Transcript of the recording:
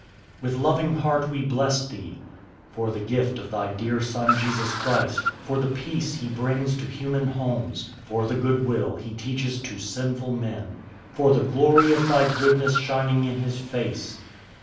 With loving heart we bless Thee: For the gift of Thy dear Son Jesus Christ, For the peace He brings to human homes, For the good will He teaches to sinful men, For the glory of Thy goodness shining in His face.